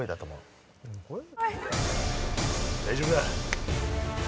大丈夫だ。